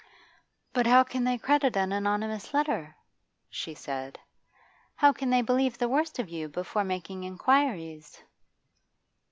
'But how can they credit an anonymous letter?' she said. 'How can they believe the worst of you before making inquiries?